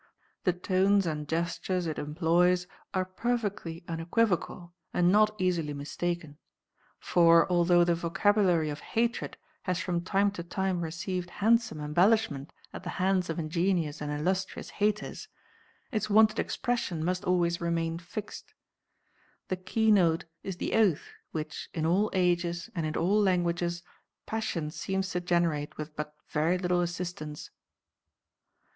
The tones and gestures it employs are perfectly unequivocal, and not easily mistaken. For although the vocabulary of hatred has from time to time received handsome embellishment at the hands of ingenious and illustrious haters, its wonted expression must always remain fixed. The keynote is the oath which, in all ages and in all languages, passion seems to generate with but very little assistance.